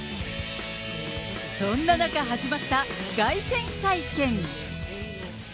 そんな中始まった、凱旋会見。